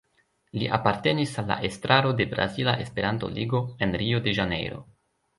Li apartenis al la estraro de Brazila Esperanto-Ligo, en Rio de Janeiro.